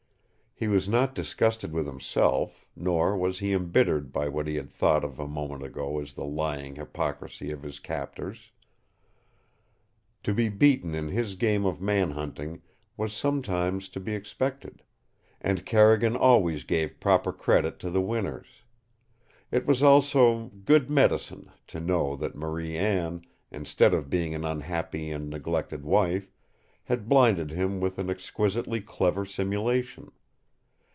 He was not disgusted with himself, nor was he embittered by what he had thought of a moment ago as the lying hypocrisy of his captors. To be beaten in his game of man hunting was sometimes to be expected, and Carrigan always gave proper credit to the winners. It was also "good medicine" to know that Marie Anne, instead of being an unhappy and neglected wife, had blinded him with an exquisitely clever simulation.